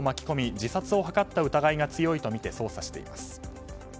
自殺を図った疑いが強いとみて捜査しています。